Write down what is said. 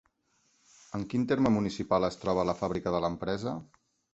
En quin terme municipal es troba la fàbrica de l'empresa?